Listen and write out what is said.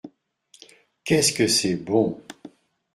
Qu’est-ce que c’est bon !